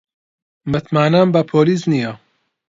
متمانەم بە پۆلیس نییە.